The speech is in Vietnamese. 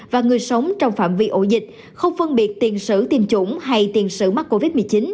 và người sống trong phạm vi ổ dịch không phân biệt tiền sử tiêm chủng hay tiền sử mắc covid một mươi chín